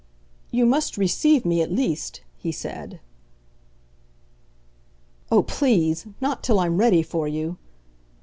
"You must receive me at least," he said. "Oh, please, not till I'm ready for you!"